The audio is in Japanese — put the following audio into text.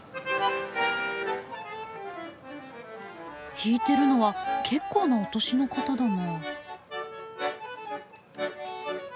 弾いてるのは結構なお年の方だな。